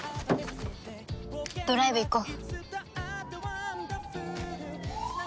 ドライブ行こう。